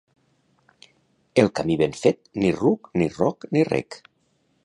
El camí ben fet, ni ruc, ni roc, ni rec.